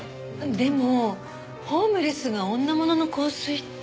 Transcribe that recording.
でもホームレスが女物の香水って。